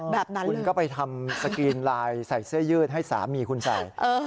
แบบนั้นคุณก็ไปทำสกรีนไลน์ใส่เสื้อยืดให้สามีคุณใส่